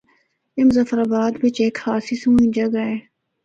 اے مظفرآباد بچ ہک خاصی سہنڑی جگہ ہے۔